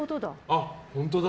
あ、本当だ。